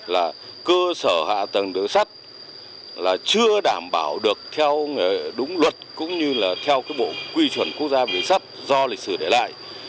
là cơ sở hạ tầng đường sắt là chưa đảm bảo được theo đúng luật cũng như là theo cái bộ quy chuẩn quốc gia đường sắt do lịch sử để lại